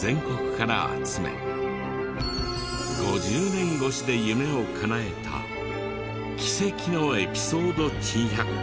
５０年越しで夢をかなえた奇跡のエピソード珍百景。